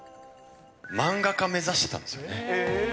漫画家目指してたんですよね。